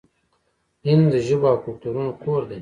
هند د ژبو او کلتورونو کور دی.